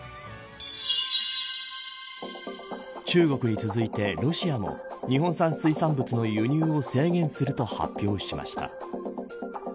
中国に続いてロシアも日本産水産物の輸入を制限すると発表しました。